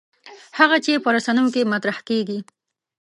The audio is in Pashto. هغه څه چې په رسنیو کې مطرح کېږي.